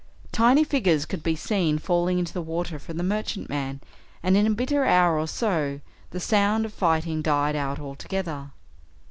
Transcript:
Tiny figures could be seen falling into the water from the merchantman, and in a bitter hour or so the sound of fighting died out altogether.